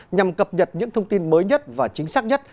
nhằm cập nhật những thông tin mới nhất và chính xác nhất